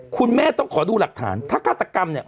คุณแม่ต้องขอดูหลักฐานถ้าฆาตกรรมเนี่ย